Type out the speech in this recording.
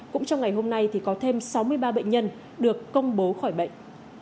cũng trong ngày hôm nay thì có thêm sáu mươi ba bệnh nhân được công bố khỏi bệnh